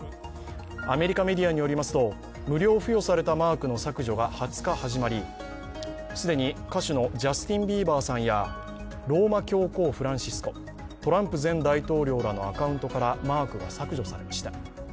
アメリカメディアによりますと、無料付与されたマークの削除が２０日から始まり、既に歌手のジャスティン・ビーバーさんやローマ教皇フランシスコトランプ前大統領らのアカウントからマークが削除されました。